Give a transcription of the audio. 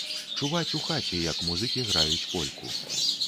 Чуваць у хаце, як музыкі граюць польку.